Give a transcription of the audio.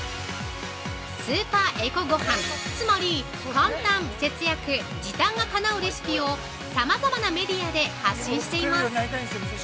スーパーエコごはんつまり簡単、節約、時短がかなうレシピをさまざまなメディアで発信しています。